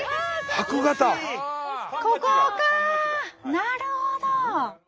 なるほど！